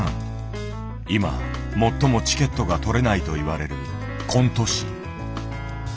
今最もチケットが取れないと言われるコント師。